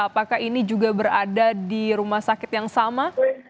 apakah ini juga berada di rumah sakit yang sama